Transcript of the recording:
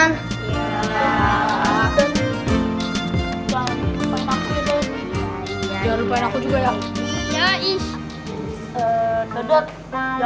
jangan lupain aku juga ya